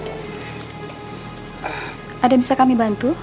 ada yang bisa kami bantu